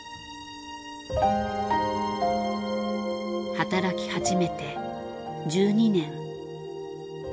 働き始めて１２年。